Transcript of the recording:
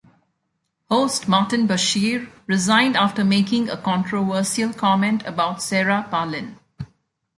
Host Martin Bashir resigned after making a controversial comment about Sarah Palin.